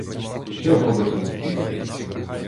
Що робиться на світі!